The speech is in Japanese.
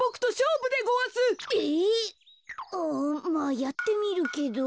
うんまあやってみるけど。